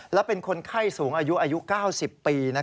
และเป็นคนไข้สูงอายุอายุ๙๐ปี